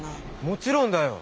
もちろんだよ！